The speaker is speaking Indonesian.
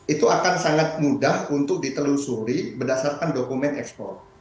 itu akan sangat mudah untuk ditelusuri berdasarkan dokumen ekspor